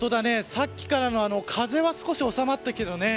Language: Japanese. さっきから風は少し収まったけどね。